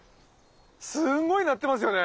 すごいなってますよね！